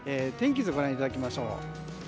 天気図をご覧いただきましょう。